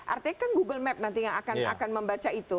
artinya kan google map nanti yang akan membaca itu